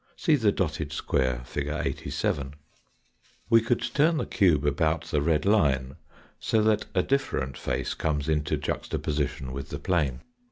See the dotted square, fig. 87. We could turn the cube about the red line so that a different face comes into juxtaposition with the plane.